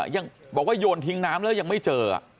ยังบอกว่าโยนทิ้งน้ำแล้วยังไม่เจอ